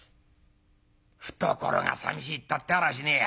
懐がさみしいたってあらしねえや」。